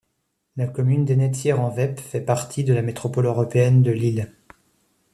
La commune d'Ennetières-en-Weppes fait partie de la Métropole européenne de Lille.